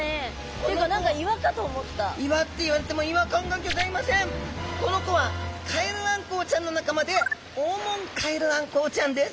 っていうか何かこの子はカエルアンコウちゃんの仲間でオオモンカエルアンコウちゃんです。